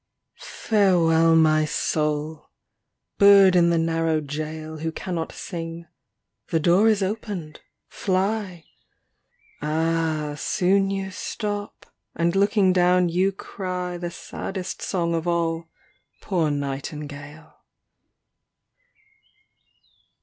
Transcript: XXVI Farewell, my soul ! ŌĆö bird in the narrow jail Who cannot sing. The door is opened ! Fly ! Ah, soon you stop, and looking down you cry The saddest song of all, poor nightingale.